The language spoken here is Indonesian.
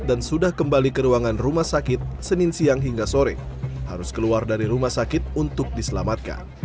dan sudah kembali ke ruangan rumah sakit senin siang hingga sore harus keluar dari rumah sakit untuk diselamatkan